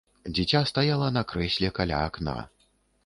Дзіця стаяла на крэсле каля акна.